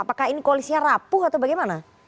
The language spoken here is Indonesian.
apakah ini koalisnya rapuh atau bagaimana